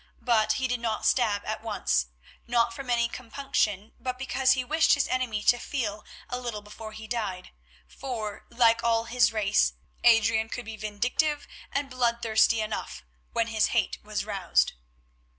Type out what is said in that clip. But he did not stab at once, not from any compunction, but because he wished his enemy to feel a little before he died, for, like all his race, Adrian could be vindictive and bloodthirsty enough when his hate was roused.